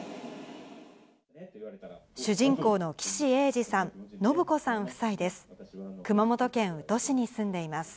主人公の岸英治さん、信子さん夫妻です。